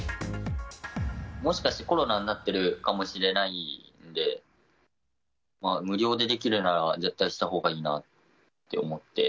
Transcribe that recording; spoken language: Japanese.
もしかしてコロナになってるかもしれないんで、無料でできるなら、絶対したほうがいいなって思って。